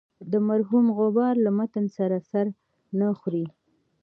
د مرحوم غبار له متن سره سر نه خوري.